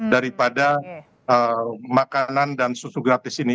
daripada makanan dan susu gratis ini